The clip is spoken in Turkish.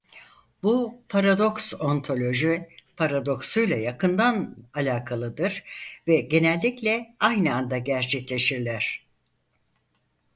Bu paradoks ontoloji paradoksuyla yakından alakalıdır ve genellikle aynı anda gerçekleşirler.